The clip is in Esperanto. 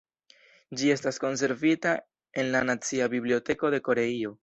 Ĝi estas konservita en la nacia biblioteko de Koreio.